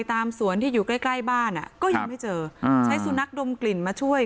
ตามสวนที่อยู่ใกล้ใกล้บ้านก็ยังไม่เจอใช้สุนัขดมกลิ่นมาช่วย